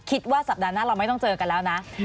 คิดว่าสัปดาห์หน้าเราไม่ต้องเจอกันแล้วนะ